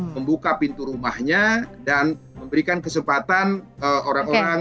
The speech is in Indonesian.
membuka pintu rumahnya dan memberikan kesempatan orang orang